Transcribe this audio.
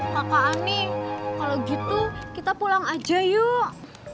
kakak ani kalau gitu kita pulang aja yuk